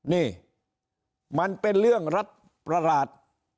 นี่มันเป็นเรื่องรัฐประหลาด